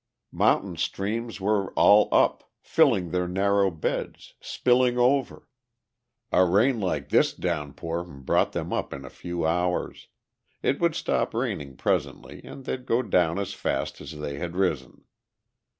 Mountain streams were all up, filling their narrow beds, spilling over. A rain like this downpour brought them up in a few hours; it would stop raining presently and they'd go down as fast as they had risen.